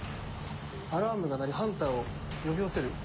アラームが鳴りハンターを呼び寄せる。